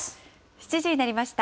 ７時になりました。